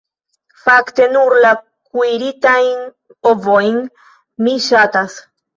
Fakte nur la kuiritajn ovojn mi ŝatas.